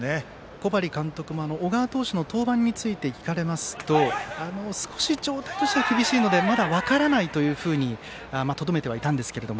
小針監督も、小川投手の登板について聞かれますと少し状態としては厳しいのでまだ分からないというふうにとどめてはいたんですけど。